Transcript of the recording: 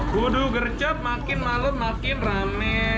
waduh gercep makin malut makin rame